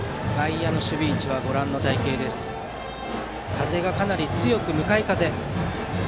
風はかなり強く向かい風です。